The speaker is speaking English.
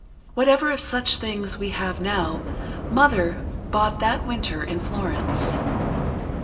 Whatever of such things we have now, Mother bought that winter in Florence.